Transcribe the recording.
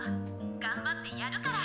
頑張ってやるからあい」。